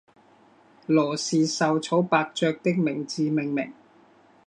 罗氏绶草伯爵的名字命名。